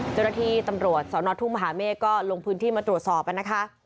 เจ้าหน้าที่ตำรวจสนทุ่งมหาเมฆก็ลงพื้นที่มาตรวจสอบนะคะ